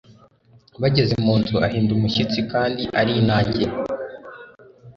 Bageze mu nzu, ahinda umushyitsi kandi arinangira